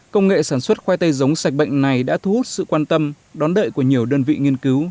công nghệ sản xuất khoai tây giống sạch bệnh này đã thu hút sự quan tâm đón đợi của nhiều đơn vị nghiên cứu